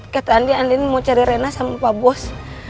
kata andien andien mau cari rena sama pak bos